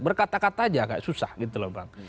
berkata kata aja agak susah gitu loh bang